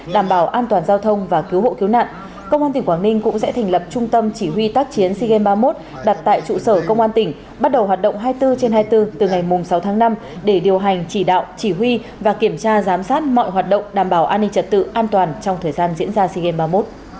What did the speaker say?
đảm bảo an toàn giao thông và cứu hộ cứu nạn công an tỉnh quảng ninh cũng sẽ thành lập trung tâm chỉ huy tác chiến sea games ba mươi một đặt tại trụ sở công an tỉnh bắt đầu hoạt động hai mươi bốn trên hai mươi bốn từ ngày sáu tháng năm để điều hành chỉ đạo chỉ huy và kiểm tra giám sát mọi hoạt động đảm bảo an ninh trật tự an toàn trong thời gian diễn ra sea games ba mươi một